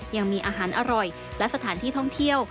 ยังมีอาหารอร่อยและสถานที่ท่องเที่ยว